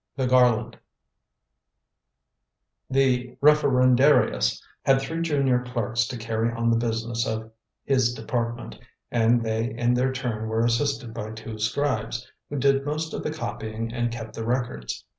THE GARLAND The Referendarius had three junior clerks to carry on the business of his department, and they in their turn were assisted by two scribes, who did most of the copying and kept the records.